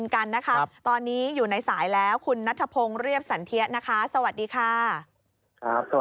ครับสวัสดีครับ